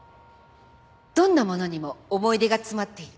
どんな物にも思い出が詰まっている。